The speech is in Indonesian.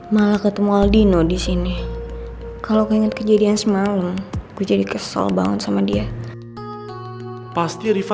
malah ketemu aldino di sini kalau keinget kejadian semalam gue jadi kesel banget sama dia pasti riva